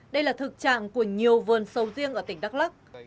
đây là thực trạng của nhiều vườn sầu riêng ở tỉnh đắk lắc